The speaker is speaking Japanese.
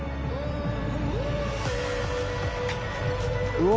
うわ。